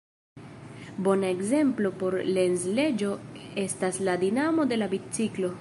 Bona ekzemplo por la Lenz-leĝo estas la dinamo de la biciklo.